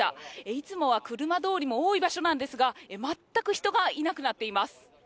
いつもは車通りも多い場所なんですが、全く人がいなくなっています。